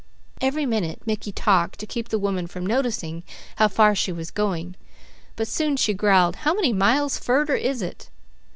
Every minute Mickey talked to keep the woman from noticing how far she was going; but soon she growled: "How many miles furder is it?"